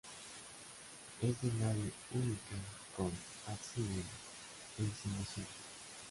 Es de nave única con ábside en semicírculo.